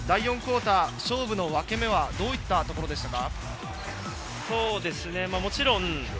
第４クオーター、勝負の分け目はどういったところでしたか？